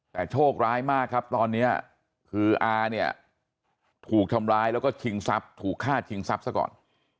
แต่โชคร้ายมากครับตอนนี้คืออาเนี่ยถูกทำร้ายแล้วก็ชิงทรัพย์ถูกฆ่าชิงทรัพย์ซะก่อน